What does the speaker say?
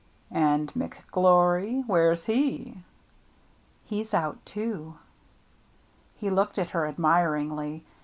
" And McGlory — where's he ?"" He's out too." He looked at her admiringly.